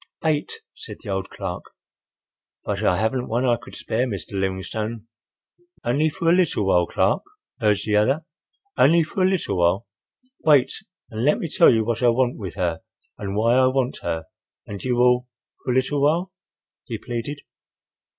"Eight," said the old clerk. "But I haven't one I could spare, Mr. Livingstone." "Only for a little while, Clark?" urged the other; "only for a little while.—Wait, and let me tell you what I want with her and why I want her, and you will—For a little while?" he pleaded.